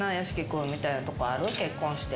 結婚して。